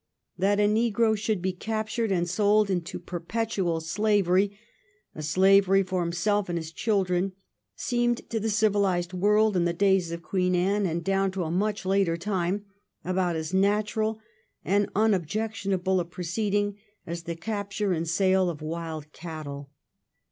That a negro should be captured and sold into perpetual slavery, a slavery for himself and his children, seemed to the civiUsed world in the days of Queen Anne, and down to a much later time, about as natural and as unobjectionable a proceeding as the capture and the sale of wild cattle.